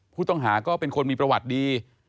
ผู้ต้องหาก็เป็นคนมีประวัติดี